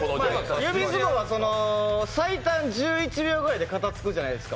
指相撲は最短１１秒ぐらいで片つくじゃないですか。